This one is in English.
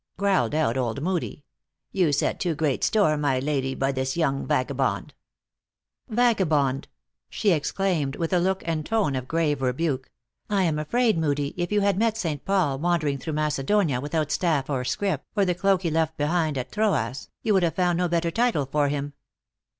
growled out old Moodie. " You set too great store, my lady, by this young vagabond !"" Vagabond !" she exclaimed, with a look and tone of grave rebuke, " I am afraid, Moodie, if you had met St. Paul wandering through Macedonia without staff v* or scrip, or the cloak he left behind at Troas, you would have found no better title for him."